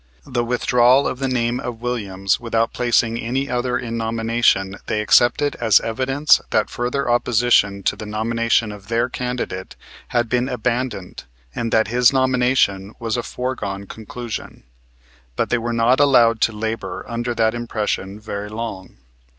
The withdrawal of the name of Williams without placing any other in nomination they accepted as evidence that further opposition to the nomination of their candidate had been abandoned and that his nomination was a foregone conclusion. But they were not allowed to labor under that impression very long.